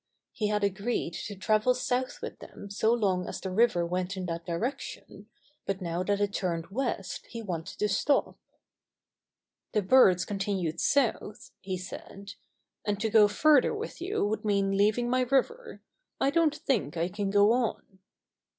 He had agreed to travel south with them so long as the river went in that direction, but now that it turned west he wanted to stop. *^The birds continued south," he said, "and to go further with you would mean leaving my river. I don't think I can go on."